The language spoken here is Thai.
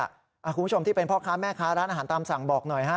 คุณผู้ชมที่เป็นพ่อค้าแม่ค้าร้านอาหารตามสั่งบอกหน่อยฮะ